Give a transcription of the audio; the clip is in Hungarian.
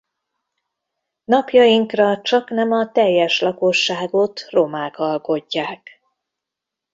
Napjainkra csaknem a teljes lakosságot romák alkotják.